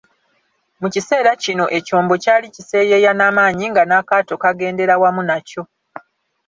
Mu kiseera kino ekyombo kyali kiseeyeeya n'amaanyi nga n'akaato kagendera wamu nakyo.